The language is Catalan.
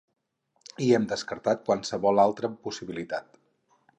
I hem descartat qualsevol altra possibilitat.